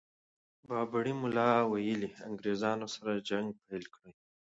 بابړي ملا ویلي انګرېزانو سره جنګ پيل کړي.